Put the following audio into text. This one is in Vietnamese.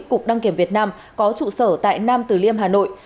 cục đăng kiểm việt nam có trụ sở tại nam tử liêm hà nội